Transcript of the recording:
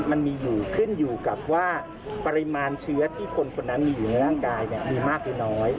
มันมีอยู่ขึ้นอยู่กับว่าปริมาณเชื้อที่คนคนนั้นมีอยู่ในร่างกายมีมากหรือน้อย